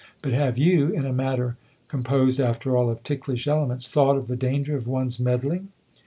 But have you in a matter composed, after all, of ticklish elements thought of the danger of one's meddling